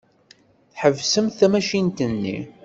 Tḥebsemt tamacint-nni.